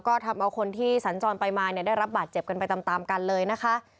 ก็ทำเอาคนที่สัญจรไปมาเนี่ยได้รับบาดเจ็บกันไปตามกันเลยนะคะ